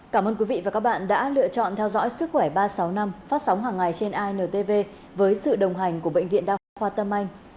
cảm ơn quý vị và các bạn đã lựa chọn theo dõi sức khỏe ba trăm sáu mươi năm phát sóng hàng ngày trên intv với sự đồng hành của bệnh viện đa khoa tâm anh